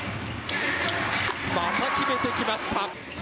また決めてきました。